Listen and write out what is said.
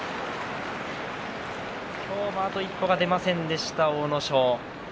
今日もあと一歩が出ませんでした阿武咲。